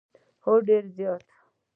هو، ډیره زیاته